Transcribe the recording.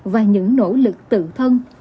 và những nỗ lực tự thân